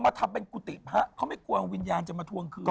ทำเป็นกุฏิพระเขาไม่กลัววิญญาณจะมาทวงคืน